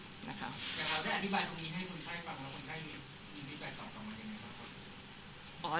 แต่เราก็ได้อธิบายตรงนี้ให้คุณไข้ฟัง